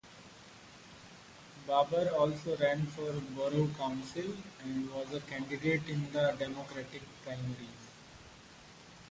Babar also ran for borough council and was a candidate in the Democratic primaries.